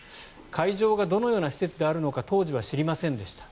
会場がどのような施設であるのか当時は知りませんでした。